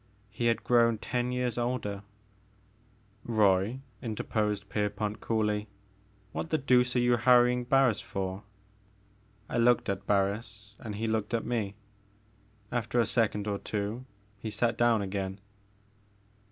He had grown ten years older. «« The Maker of Moons. 5 7 Roy,'* interposed Pierpont coolly, *'what the deuce are you harrying Barris for ?'' I looked at Barris and he looked at me. After a second or two he sat down again.